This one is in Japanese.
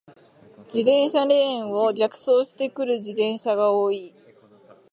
自転車レーンを逆走してくる自転車が多い。